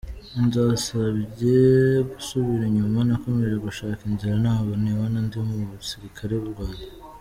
Zansabye gusubira inyuma, nakomeje gushaka inzira nabwo nibona ndi mu basirikare b’u Rwanda.”